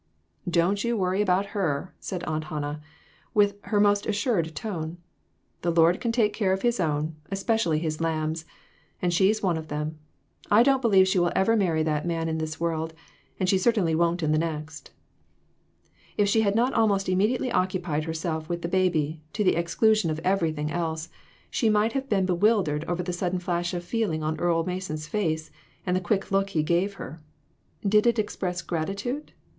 "Don't you worry about her," said Aunt Han nah, in her most assured tone; "the Lord can take care of His own, especially His lambs, and she's one of them. I don't believe she will ever marry that man in this world ; and she certainly won't in the next." If she had not almost immediately occupied her self with the baby, to the exclusion of everything else, she might have been bewildered over the sudden flash of feeling on Earle Mason's face, and the quick look he gave her. Did it express grati tude